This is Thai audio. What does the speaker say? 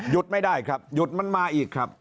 ไม่ได้ครับหยุดมันมาอีกครับ